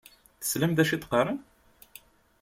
Teslam d acu i d-qqaṛen?